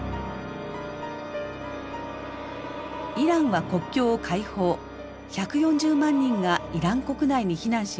イランは国境を開放１４０万人がイラン国内に避難します。